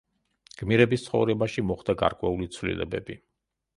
გმირების ცხოვრებაში მოხდა გარკვეული ცვლილებები.